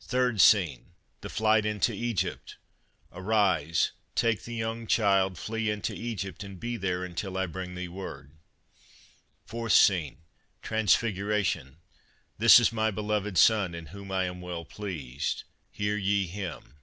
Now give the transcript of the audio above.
3rd Scene. — The Flight into Egypt: Arise, take the young Child, flee into Egypt, and be there until I bring thee word. 4th Scene. — Transfiguration: This is My Beloved Son, in Whom I am well pleased. Hear ye Him.